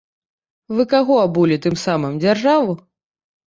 Вы каго абулі тым самым, дзяржаву?